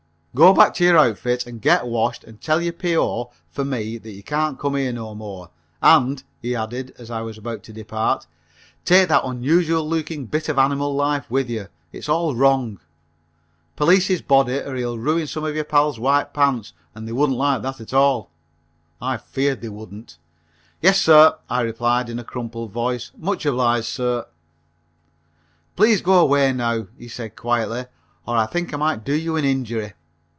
"Go back to your outfit and get washed and tell your P.O. for me that you can't come here no more, and," he added, as I was about to depart, "take that unusual looking bit of animal life with you it's all wrong. Police his body or he'll ruin some of your pals' white pants and they wouldn't like that at all." I feared they wouldn't. "Yes, sir," I replied in a crumpled voice, "Much obliged, sir." "Please go away now," he said quietly, "or I think I might do you an injury."